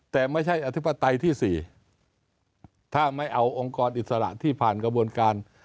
แต่ไม่ใช่อธิปไตยที่๔ถ้าไม่เอาองค์กรอิสระที่ผ่านกระบวนการ